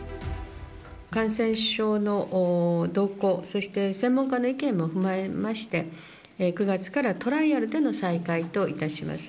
感染症の動向、そして専門家の意見も踏まえまして、９月からトライアルでの再開といたします。